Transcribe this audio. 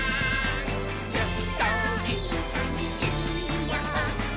「ずっといっしょにいようね」